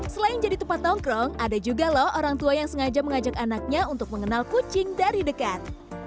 selain jadi tempat nongkrong ada juga loh orang tua yang sengaja mengajak anaknya untuk mengenal kucing dari dekat